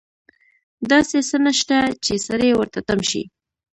داسې څه نشته چې سړی ورته تم شي.